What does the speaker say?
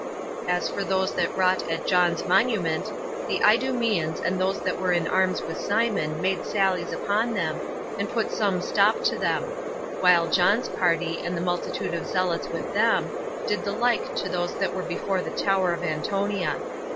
As for those that wrought at John's monument, the Idumeans, and those that were in arms with Simon, made sallies upon them, and put some stop to them; while John's party, and the multitude of zealots with them, did the like to those that were before the tower of Antonia.